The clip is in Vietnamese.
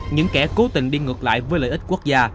những kẻ cố tình đi ngược lại với lợi ích quốc gia